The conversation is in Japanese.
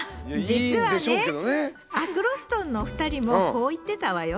実はねアクロストンのお二人もこう言ってたわよ。